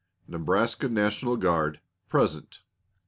Nebraska National Guard, Present.